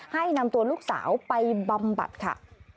ให้นำตัวลูกสาวไปบำบัดค่ะ